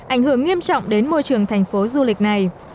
ảnh hưởng nghiêm trọng đến môi trường thành phố du lịch này